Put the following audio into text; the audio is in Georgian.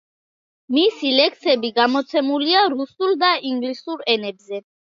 მისი ლექსები გამოცემულია რუსულ და ინგლისურ ენებზე.